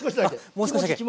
もう少しだけ。